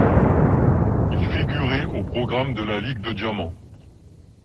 Il figurait au programme de la Ligue de diamant.